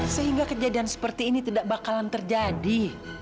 sehingga kejadian seperti ini tidak bakalan terjadi